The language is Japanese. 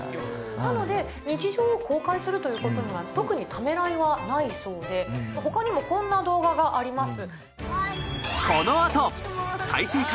なので日常を公開するということには特にためらいはないそうで他にもこんな動画があります。